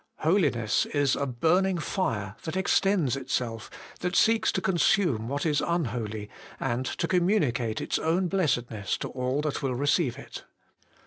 Holiness is a burning fire that extends itself, that seeks to consume what is unholy, and to communicate its own blessedness to all that will receive it.